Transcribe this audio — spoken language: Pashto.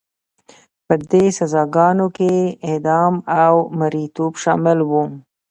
په دې سزاګانو کې اعدام او مریتوب شامل وو.